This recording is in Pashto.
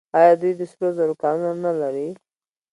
آیا دوی د سرو زرو کانونه نلري؟